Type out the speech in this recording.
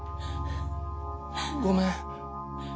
ごめん。